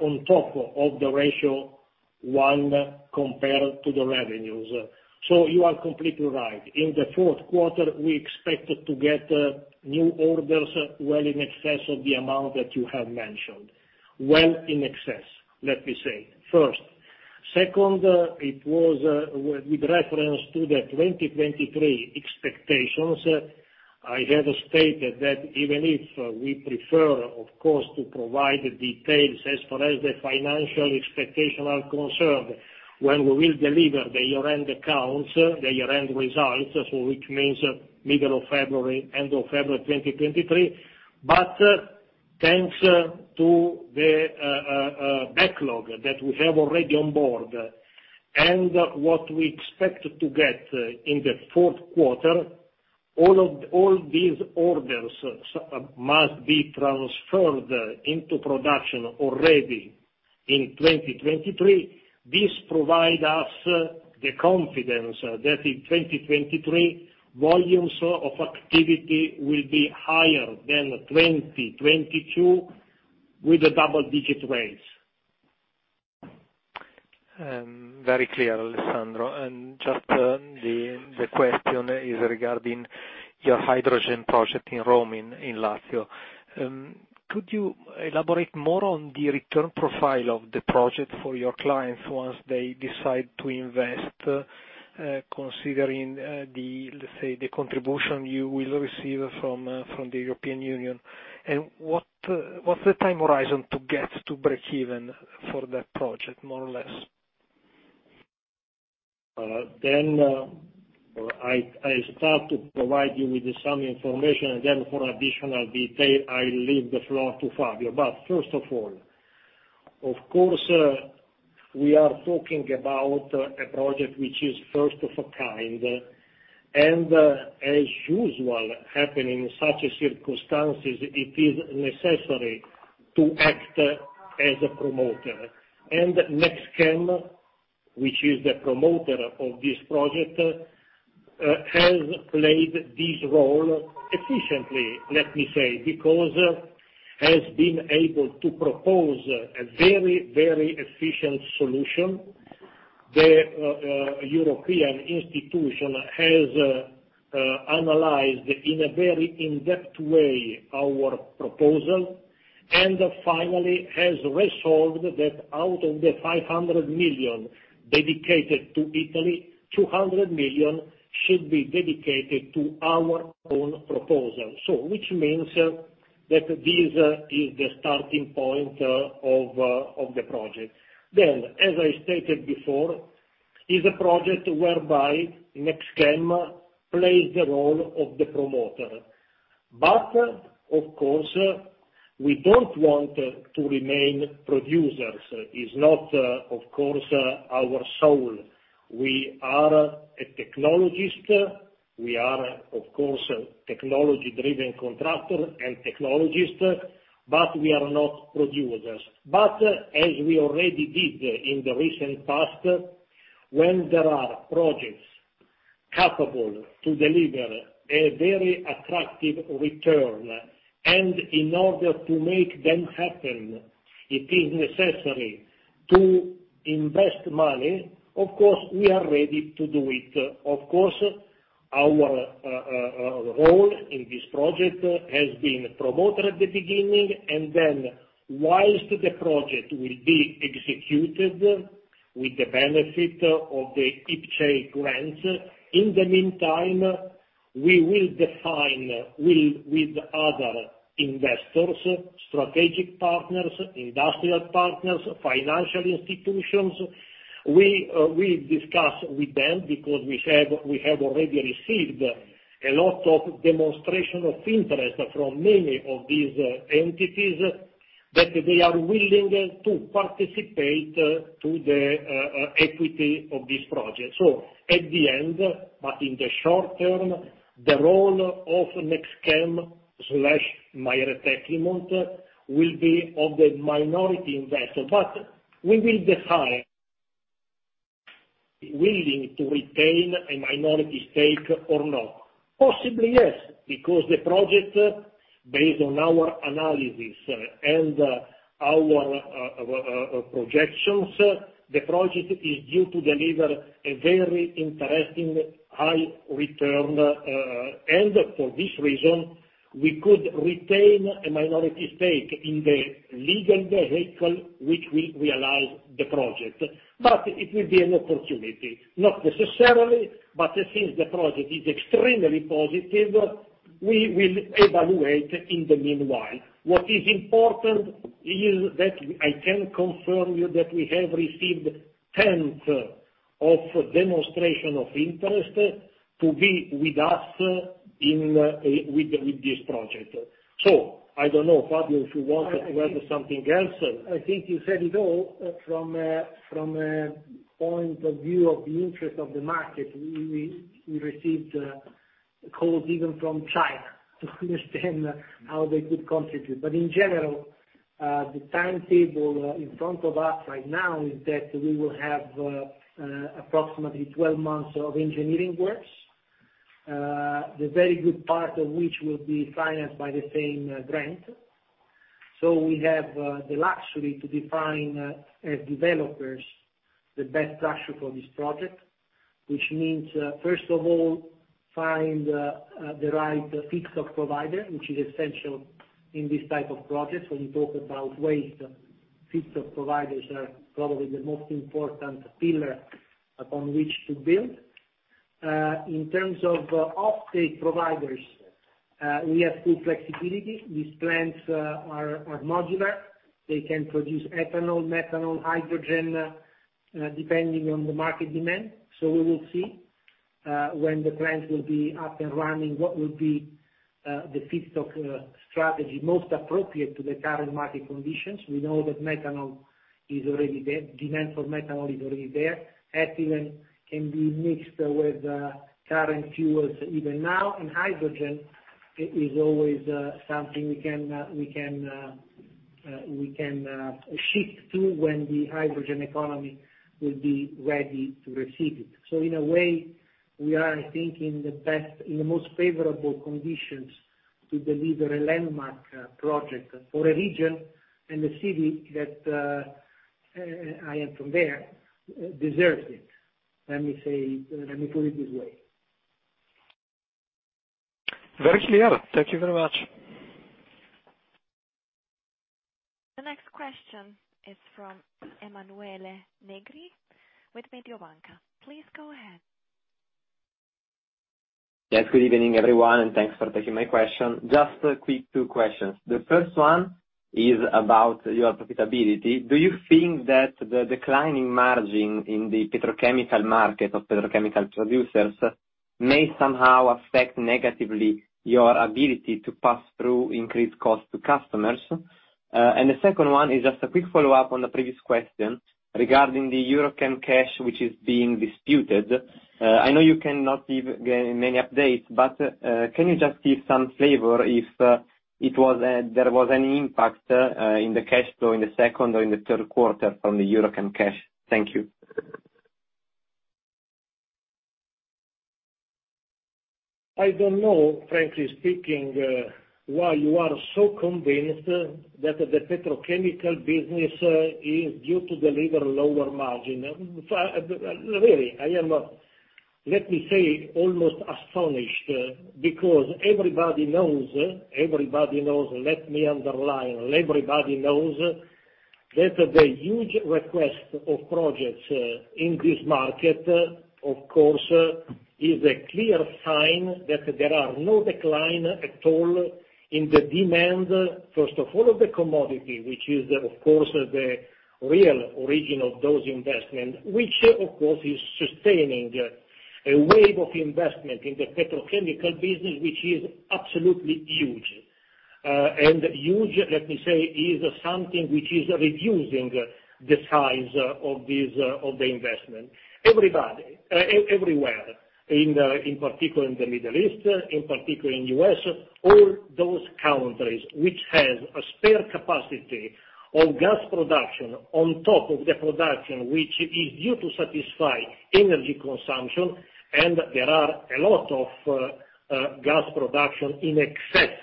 on top of the ratio one compared to the revenues. You are completely right. In the fourth quarter we expect to get new orders well in excess of the amount that you have mentioned. Well in excess, let me say. First. Second, it was with reference to the 2023 expectations. I have stated that even if we prefer, of course, to provide the details as far as the financial expectations are concerned, when we will deliver the year-end accounts, the year-end results, which means middle of February, end of February 2023. Thanks to the backlog that we have already on board, and what we expect to get in the fourth quarter, all these orders must be transferred into production already in 2023. This provides us the confidence that in 2023, volumes of activity will be higher than 2022, with a double-digit rise. Very clear, Alessandro. Just, the question is regarding your hydrogen project in Rome, in Lazio. Could you elaborate more on the return profile of the project for your clients once they decide to invest, considering, let's say, the contribution you will receive from the European Union? What's the time horizon to get to breakeven for that project, more or less? I start to provide you with some information, and then for additional detail, I leave the floor to Fabio. First of all, of course, we are talking about a project which is first of a kind, and as usual happening in such circumstances, it is necessary to act as a promoter. NextChem, which is the promoter of this project, has played this role efficiently, let me say, because has been able to propose a very, very efficient solution. The European institution has analyzed in a very in-depth way our proposal, and finally has resolved that out of the 500 million dedicated to Italy, 200 million should be dedicated to our own proposal, so which means that this is the starting point of the project. As I stated before, it is a project whereby NextChem plays the role of the promoter. Of course, we don't want to remain producers. It's not, of course, our role. We are a technologist. We are, of course, a technology driven contractor and technologist, but we are not producers. As we already did in the recent past, when there are projects capable to deliver a very attractive return, and in order to make them happen, it is necessary to invest money, of course, we are ready to do it. Of course, our role in this project has been promoter at the beginning, and then while the project will be executed with the benefit of the IPCEI grant, in the meantime, we will define, with other investors, strategic partners, industrial partners, financial institutions, we discuss with them because we have already received a lot of demonstration of interest from many of these entities that they are willing to participate to the equity of this project. At the end, but in the short term, the role of NextChem/Maire Tecnimont will be of the minority investor. We will decide willing to retain a minority stake or not. Possibly, yes, because the project, based on our analysis and our projections, the project is due to deliver a very interesting high return, and for this reason, we could retain a minority stake in the legal vehicle which will realize the project. It will be an opportunity, not necessarily, but since the project is extremely positive, we will evaluate in the meanwhile. What is important is that I can confirm to you that we have received tens of demonstrations of interest to be with us in, with this project. I don't know, Fabio, if you want to add something else. I think you said it all. From a point of view of the interest of the market, we received calls even from China to understand how they could contribute. In general, the timetable in front of us right now is that we will have approximately 12 months of engineering works, the very good part of which will be financed by the same grant. We have the luxury to define, as developers, the best structure for this project, which means, first of all, find the right feedstock provider, which is essential in this type of project. When you talk about waste, feedstock providers are probably the most important pillar upon which to build. In terms of offtake providers, we have full flexibility. These plants are modular. They can produce ethanol, methanol, hydrogen, depending on the market demand. We will see. When the plants will be up and running, what will be the feedstock strategy most appropriate to the current market conditions. We know that methanol is already there. Demand for methanol is already there. Ethylene can be mixed with current fuels even now, and hydrogen is always something we can shift to when the hydrogen economy will be ready to receive it. In a way, we are, I think, in the best, in the most favorable conditions to deliver a landmark project for a region and a city that I am from there, deserves it. Let me say, let me put it this way. Very clear. Thank you very much. The next question is from Emanuele Negri with Mediobanca. Please go ahead. Yes, good evening, everyone, and thanks for taking my question. Just a quick two questions. The first one is about your profitability. Do you think that the declining margin in the petrochemical market of petrochemical producers may somehow affect negatively your ability to pass through increased costs to customers? And the second one is just a quick follow-up on the previous question regarding the EuroChem cash, which is being disputed. I know you cannot give many updates, but can you just give some flavor if there was any impact in the cash flow in the second or in the third quarter from the EuroChem cash? Thank you. I don't know, frankly speaking, why you are so convinced that the petrochemical business is due to deliver lower margin. Really, I am, let me say, almost astonished, because everybody knows, let me underline, everybody knows that the huge request of projects in this market, of course, is a clear sign that there are no decline at all in the demand, first of all, of the commodity, which is, of course, the real origin of those investment, which of course is sustaining a wave of investment in the petrochemical business, which is absolutely huge. Huge, let me say, is something which is reducing the size of these, of the investment. Everybody. Everywhere, in particular in the Middle East, in particular in the U.S., all those countries which has a spare capacity of gas production on top of the production, which is due to satisfy energy consumption, and there are a lot of gas production in excess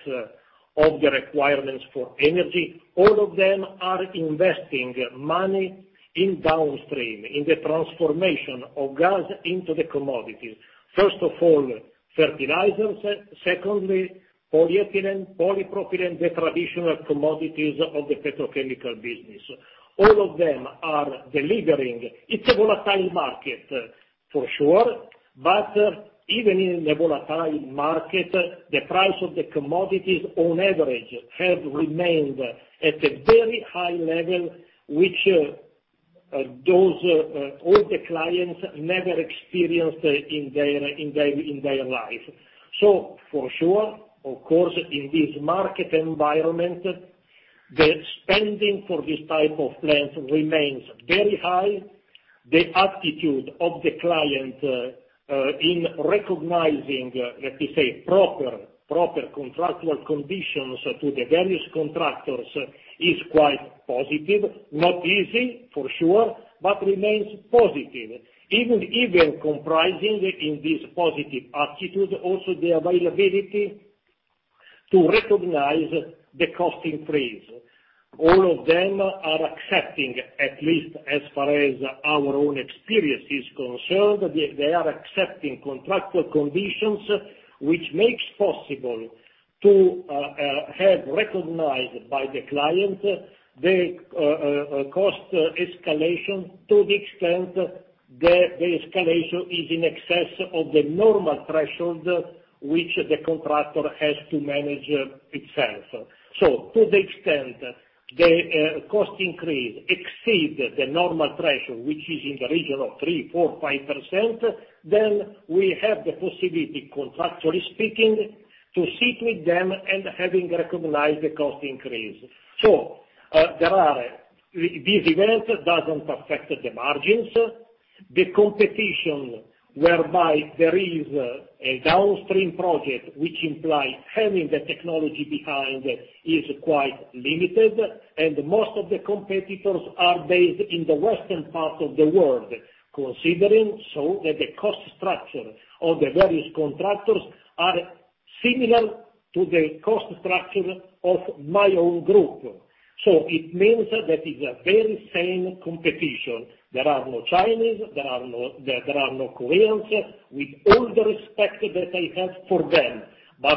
of the requirements for energy, all of them are investing money in downstream, in the transformation of gas into the commodities. First of all, fertilizers, secondly, polyethylene, polypropylene, the traditional commodities of the petrochemical business. All of them are delivering. It's a volatile market, for sure. But even in the volatile market, the price of the commodities on average have remained at a very high level, which those all the clients never experienced in their life. For sure, of course, in this market environment, the spending for this type of plants remains very high. The attitude of the client, in recognizing, let me say, proper contractual conditions to the various contractors is quite positive. Not easy, for sure, but remains positive. Even comprising in this positive attitude, also the availability to recognize the cost increase. All of them are accepting, at least as far as our own experience is concerned, they are accepting contractual conditions which makes possible to have recognized by the client the cost escalation, to the extent the escalation is in excess of the normal threshold which the contractor has to manage it itself. To the extent the cost increase exceeds the normal threshold, which is in the region of 3%-5%, then we have the possibility, contractually speaking, to sit with them and having recognized the cost increase. This event doesn't affect the margins. The competition whereby there is a downstream project which implies having the technology behind is quite limited, and most of the competitors are based in the Western part of the world, considering that the cost structure of the various contractors are similar to the cost structure of my own group. It means that it's a very same competition. There are no Chinese, there are no Koreans, with all the respect that I have for them.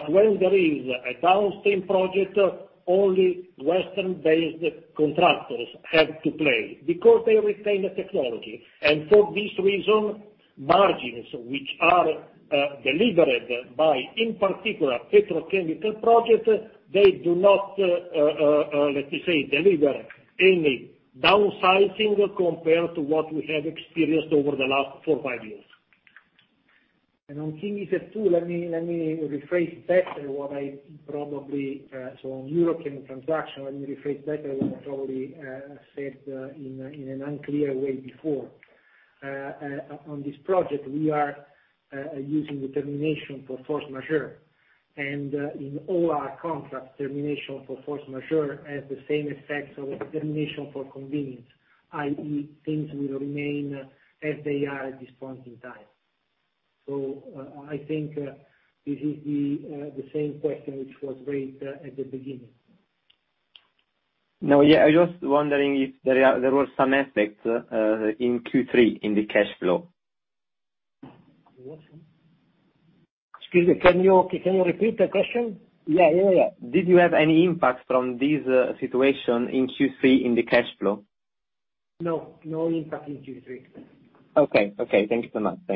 When there is a downstream project, only Western-based contractors have to play because they retain the technology. For this reason, margins which are delivered by, in particular, petrochemical projects, they do not, let me say, deliver any downsizing compared to what we have experienced over the last four, five years. On Kingisepp II, let me rephrase better what I probably said in an unclear way before. On this project, we are using the termination for force majeure. I think this is the same question which was raised at the beginning. No, yeah, I was wondering if there was some aspects in Q3 in the cash flow. Excuse me, can you repeat the question? Yeah. Did you have any impact from this situation in Q3 in the cash flow? No, no impact in Q3. Okay. Okay, thank you so much.